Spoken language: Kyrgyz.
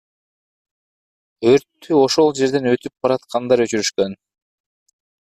Өрттү ошол жерден өтүп бараткандар өчүрүшкөн.